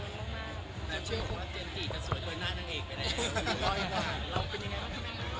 แบบชื่อว่าเจนจี่กันสวยด้วยหน้านางเอกไปแล้วเนี่ย